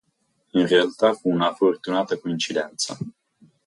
In realtà fu una fortunata coincidenza.